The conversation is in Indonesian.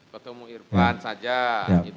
ketemu irfan saja